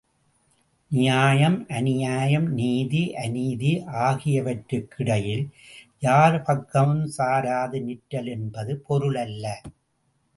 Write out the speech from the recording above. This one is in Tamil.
நியாயம் அநியாயம், நீதி அநீதி ஆகியவற்றுக்கிடையில் யார் பக்கமும் சாராது நிற்றல் என்பது பொருளல்ல.